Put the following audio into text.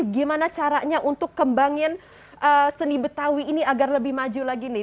gimana caranya untuk kembangin seni betawi ini agar lebih maju lagi nih